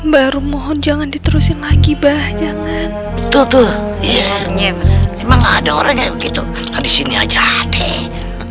baru mohon jangan diterusin lagi bah jangan betul betul emang ada orang yang begitu habis ini aja deh